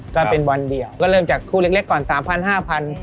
ก็เป็นบอลเดียวก็เริ่มจากคู่เล็กก่อน๓๐๐๕๐๐บาท